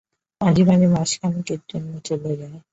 মাঝে-মাঝে মাসখানিকের জন্য চলে যায়।